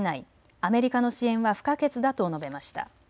アメリカの支援は不可欠だと述べました。